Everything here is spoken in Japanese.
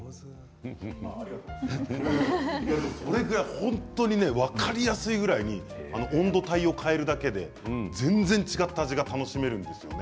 本当に分かりやすいくらいに温度帯を変えるだけで全然違った味が楽しめるんですよね。